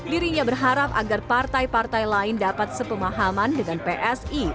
dirinya berharap agar partai partai lain dapat sepemahaman dengan psi